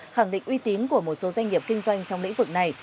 khẳng định uy tín của một số doanh nghiệp kinh doanh trong lĩnh vực này